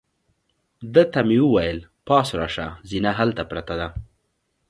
ده ته مې وویل: پاس راشه، زینه هلته پرته ده.